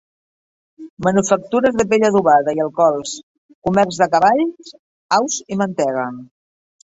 Manufactures de pell adobada i alcohols; comerç de cavalls, aus i mantega.